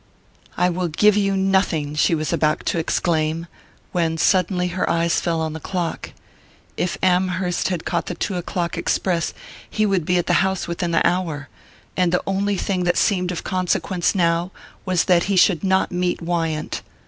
"I will give you nothing " she was about to exclaim; when suddenly her eyes fell on the clock. If Amherst had caught the two o'clock express he would be at the house within the hour; and the only thing that seemed of consequence now, was that he should not meet Wyant.